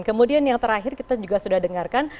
kemudian yang terakhir kita juga sudah dengarkan